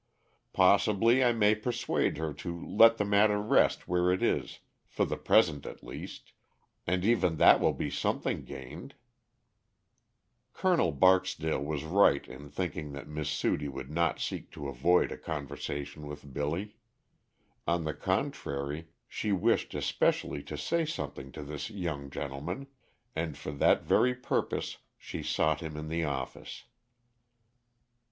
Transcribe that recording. "Possibly I may persuade her to let the matter rest where it is, for the present at least, and even that will be something gained." Col. Barksdale was right in thinking that Miss Sudie would not seek to avoid a conversation with Billy. On the contrary she wished especially to say something to this young gentleman, and for that very purpose she sought him in the office.